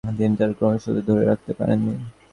তিনি তার ক্রীড়াশৈলী ধরে রাখতে পারেননি।